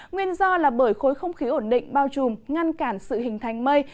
nguyên do là bởi khối không khí ổn định bao trùm ngăn cản sự hình thành mây